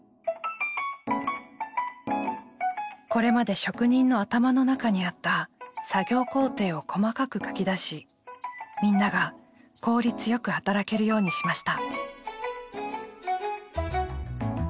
これまで職人の頭の中にあった作業工程を細かく書き出しみんなが効率よく働けるようにしました。